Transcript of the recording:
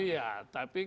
iya tapi kan